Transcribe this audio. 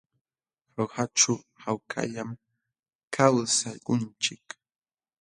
Jaujaćhu hawkallam kawsakunchik.